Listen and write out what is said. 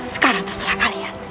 sekarang terserah kalian